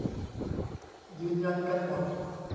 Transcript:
ยืนยันกันหมด